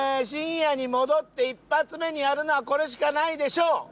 深夜に戻って一発目にやるのはこれしかないでしょう！